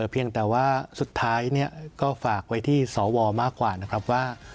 เพียงแต่ว่าสุดท้ายก็ฝากไว้ที่สวมากกว่านะครับว่า